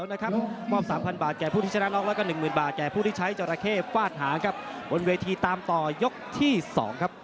วันเวทีตามต่อยกที่๒ครับ